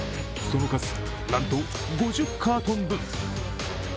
その数なんと５０カートン分。